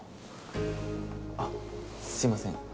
あっすいません。